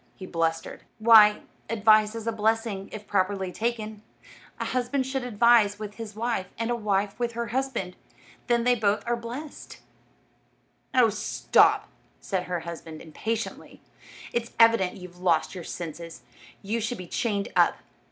he blustered. "Why, advice is a blessing, if properly taken. A husband should advise with his wife, and a wife with her husband; then they are both blessed." "Oh, stop," said her husband, impatiently; "it's evident you've lost your senses. You should be chained up."